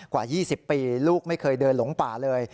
กว่า๒๐ปีลูกไม่เคยเดินหลงป่าเลย